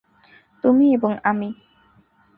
তুমি এবং আমি।